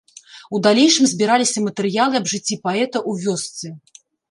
У далейшым збіраліся матэрыялы аб жыцці паэта ў вёсцы.